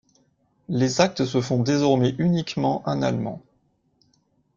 Les actes se font désormais uniquement en allemand.